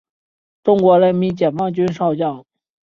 中国人民解放军少将。